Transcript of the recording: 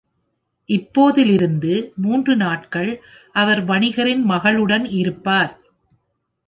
இப்போதிலிருந்து மூன்று நாட்கள், அவர் வணிகரின் மகளுடன் இருப்பார்.